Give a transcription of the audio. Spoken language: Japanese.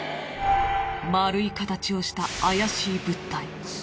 丸い形をした怪しい物体。